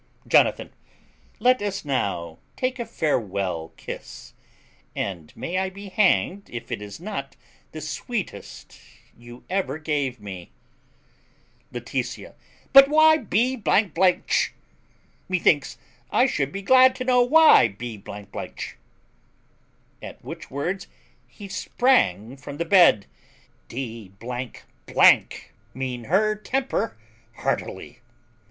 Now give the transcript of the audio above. Jonathan. Let us now take a farewell kiss, and may I be hanged if it is not the sweetest you ever gave me. Laetitia. But why b ch? Methinks I should be glad to know why b ch? At which words he sprang from the bed, d ing her temper heartily.